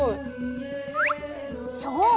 そう。